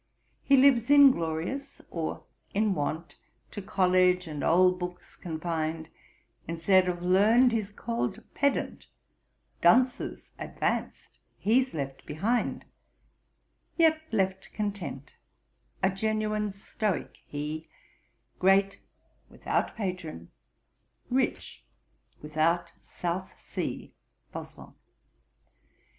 He lives inglorious or in want, To college and old books confin'd; Instead of learn'd he's call'd pedant, Dunces advanc'd, he's left behind: Yet left content a genuine Stoick he, Great without patron, rich without South Sea.' BOSWELL.